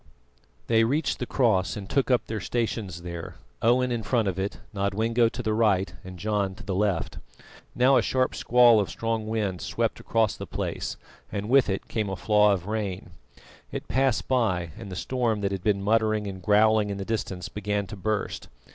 They reached the cross and took up their stations there, Owen in front of it, Nodwengo to the right, and John to the left. Now a sharp squall of strong wind swept across the space, and with it came a flaw of rain. It passed by, and the storm that had been muttering and growling in the distance began to burst.